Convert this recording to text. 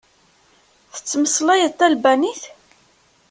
Tettmeslayeḍ talbanit?